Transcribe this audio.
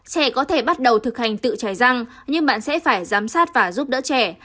trẻ có thể bắt đầu thực hành tự cháy răng nhưng bạn sẽ phải giám sát và giúp đỡ trẻ